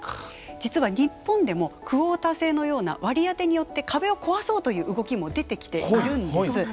実は日本でもクオータ制のような割り当てによって壁を壊そうという動きも出てきているんです。